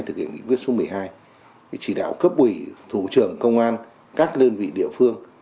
thực hiện nghị quyết số một mươi hai chỉ đạo cấp ủy thủ trưởng công an các đơn vị địa phương